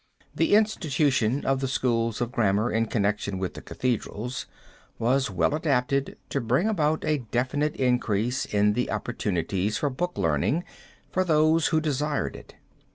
The institution of the schools of grammar in connection with cathedrals was well adapted to bring about a definite increase in the opportunities for book learning for those who desired it.